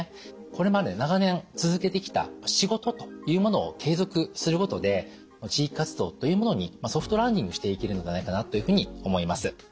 これまで長年続けてきた仕事というものを継続することで地域活動というものにソフトランディングしていけるのではないかなというふうに思います。